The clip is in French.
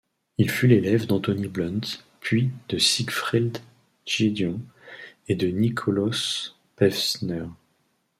Il fut l'élève d'Anthony Blunt puis de Siegfried Giedion et de Nikolaus Pevsner.